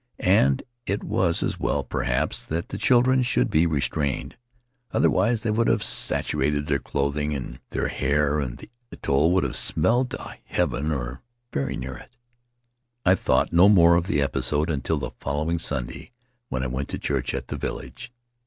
And it was as well, per haps, that the children should be restrained. Other wise they would have saturated their clothing and their hair, and the atoll would have smelled to heaven or very near it. I thought no more of the episode until the following Sunday when I went to church at the village.